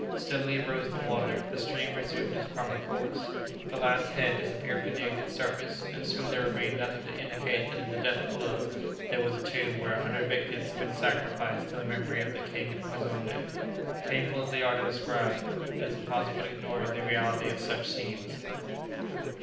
Steadily rose the water; the stream resumed its proper course; the last head disappeared beneath its surface, and soon there remained nothing to indicate that in the depth below there was a tomb where a hundred victims had been sacrificed to the memory of the King of Kazonndé. Painful as they are to describe, it is impossible to ignore the reality of such scenes.